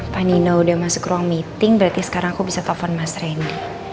pak nino udah masuk ruang meeting berarti sekarang aku bisa telepon mas randy